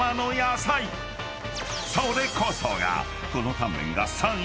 ［それこそが］